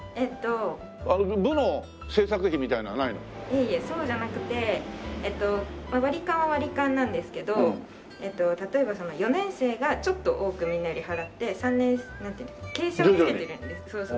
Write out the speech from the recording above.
いえいえそうじゃなくて割り勘は割り勘なんですけど例えば４年生がちょっと多くみんなより払って３年なんていうんだろ傾斜をつけてるんです。